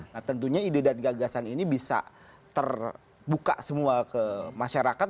nah tentunya ide dan gagasan ini bisa terbuka semua ke masyarakat